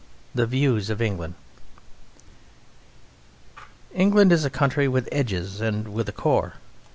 The Views of England England is a country with edges and with a core.